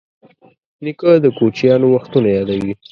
نیکه د کوچیانو وختونه یادوي.